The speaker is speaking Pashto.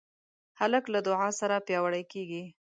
هلک له دعا سره پیاوړی کېږي.